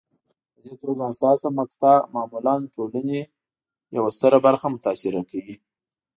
په دې توګه حساسه مقطعه معمولا ټولنې یوه ستره برخه متاثره کوي.